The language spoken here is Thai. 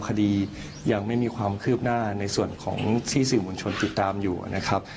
คดียังไม่มีความคืบหน้าในส่วนของที่สื่อมวลชนติดตามอยู่นะครับ